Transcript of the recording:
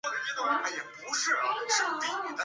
就是为了吃猪肉